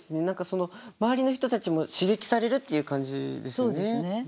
何かその周りの人たちも刺激されるっていう感じですよね。